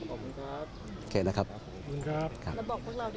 โอเคนี้ครับนี่ครับ